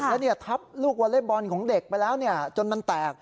แล้วทับลูกวอเล็กบอลของเด็กไปแล้วจนมันแตก